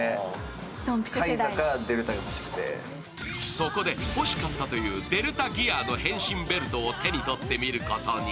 そこで欲しかったというデルタギアの変身ベルトを手に取ってみることに。